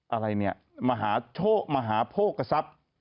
อะไรเนี่ยมหาโชคมหาโภคทรัพย์